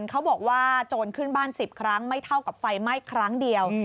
เขาบอกว่าโจรขึ้นบ้าน๑๐ครั้งไม่เท่ากับไฟไหม้ครั้งเดียว